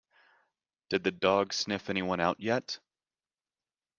Did the dog sniff anyone out yet?